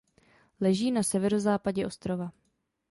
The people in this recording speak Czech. Leží na severozápadě ostrova.